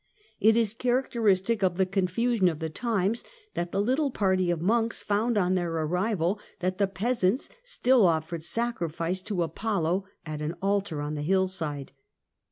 It is characteristic of the confusion of the times that the little party of monks found, on their arrival, that the peasants still offered sacrifice to Apollo at an altar on the hillside.